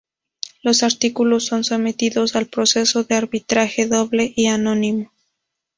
Los artículos son sometidos al proceso de arbitraje doble y anónimo.